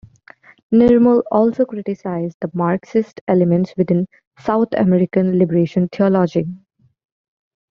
Nirmal also criticised the Marxist element within South American liberation theology.